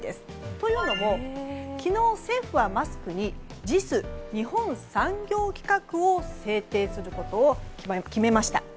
というのも、昨日政府はマスクにＪＩＳ・日本工業規格を制定することを決めました。